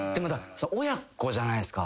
親子じゃないっすか。